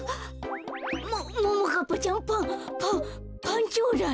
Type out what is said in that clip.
もももかっぱちゃんパンパンパンちょうだい。